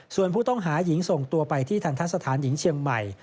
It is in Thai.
ส่วนผู้ต้องหาหญิงส่งตัวไปที่ทันทะสถานหญิงเชียงใหม่